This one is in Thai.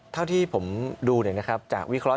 เท่าที่ผมดูเนี่ยนะครับจากวิเคราะห์